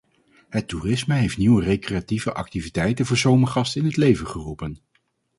Het toerisme heeft nieuwe recreatieve activiteiten voor zomergasten in het leven geroepen.